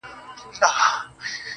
چي زه تورنه ته تورن سې گرانه .